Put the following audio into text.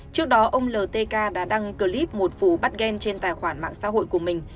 trước đó ông l t k đã đăng clip một vụ bắt ghen trên tài khoản mạng xã hội của mình